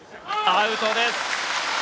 アウトです。